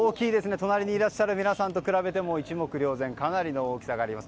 隣にいらっしゃる皆さんと比べても一目瞭然の大きさです。